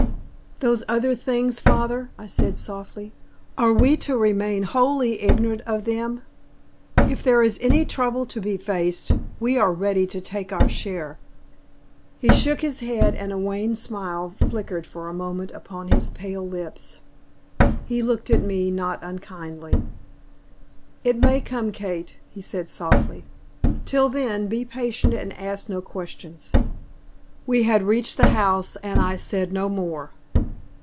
"Those other things, father," I said, softly. "Are we to remain wholly ignorant of them? If there is any trouble to be faced, we are ready to take our share." He shook his head, and a wan smile flickered for a moment upon his pale lips. He looked at me not unkindly. "It may come, Kate," he said, softly. "Till then, be patient and ask no questions." We had reached the house, and I said no more.